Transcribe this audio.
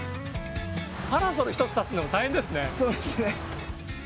パラソル１つ立てるのも大変ですね。